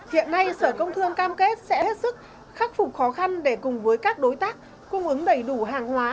hiện nay sở công thương cam kết sẽ hết sức khắc phục khó khăn để cùng với các đối tác cung ứng đầy đủ hàng hóa